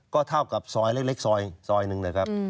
ก็เท่ากับซอยเล็กซอยหนึ่งนะครับ